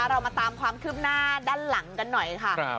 เรามาตามความคืบหน้าด้านหลังกันหน่อยค่ะ